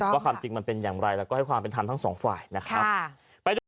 ความจริงมันเป็นอย่างไรแล้วก็ให้ความเป็นธรรมทั้งสองฝ่ายนะครับ